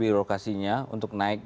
birokrasi birokasinya untuk naik